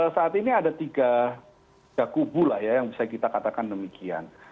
saat ini ada tiga kubu lah ya yang bisa kita katakan demikian